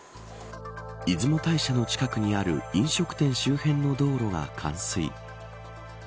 出雲大社の近くにある飲食店周辺の道路が冠水。